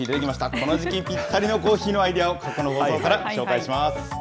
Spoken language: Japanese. この時期にぴったりのコーヒーのアイデアを、過去の放送からご紹介します。